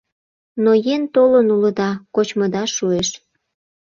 Ноен толын улыда, кочмыда шуэш.